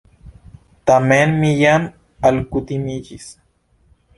Tamen mi jam alkutimiĝis.